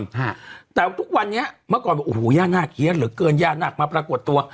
ฮะแต่ทุกวันนี้เมื่อก่อนบอกโอ้โหย่าน่าเคี้ยนเหลือเกินย่านักมาปรากฏตัว